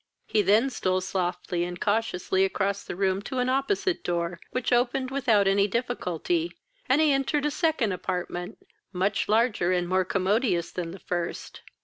He then stole softly and cautiously across the room to an opposite door, which opened without any difficulty, and he entered a second apartment, much larger and more commodious than the first.